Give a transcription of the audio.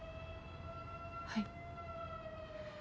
はい。